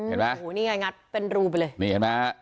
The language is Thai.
เห็นมั้ยนี่แนน๊อบเป็นรูปเลย